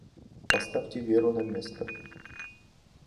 Поставьте Веру на место!